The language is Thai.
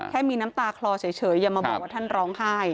แค่มีน้ำตาคลอเฉยอย่ามาบอกว่าท่านร้องไห้